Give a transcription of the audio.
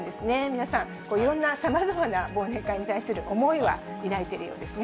皆さん、いろんなさまざまな忘年会に対する思いは抱いているようですね。